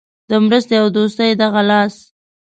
د مرستې او دوستۍ دغه لاس.